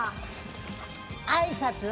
あいさつは？